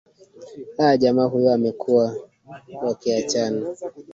aa jamaa huyo amekuwa wakiachana